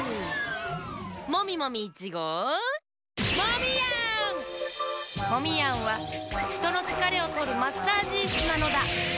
モミモミ１ごうモミヤンはひとのつかれをとるマッサージイスなのだ。